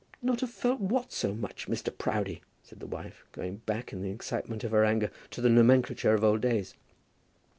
"Not have felt what so much, Mr. Proudie?" said the wife, going back in the excitement of her anger to the nomenclature of old days.